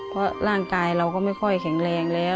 เพราะร่างกายเราก็ไม่ค่อยแข็งแรงแล้ว